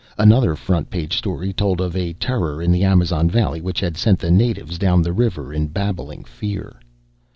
Another front page story told of a Terror in the Amazon Valley which had sent the natives down the river in babbling fear.